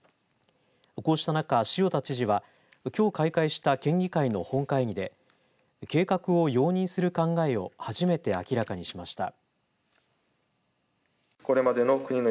こうした中、塩田知事はきょう開会した県議会の本会議で計画を容認する考えを初めて明らかにしました。